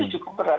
ini cukup berat